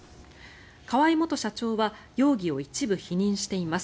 河合元社長は容疑を一部否認しています。